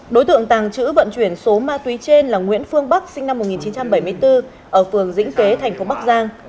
đối tượng tàng trữ vận chuyển số ma túy trên là nguyễn phương bắc sinh năm một nghìn chín trăm bảy mươi bốn ở phường dĩnh kế thành phố bắc giang